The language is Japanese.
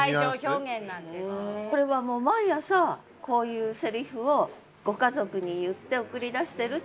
これは毎朝こういうセリフをご家族に言って送り出してる？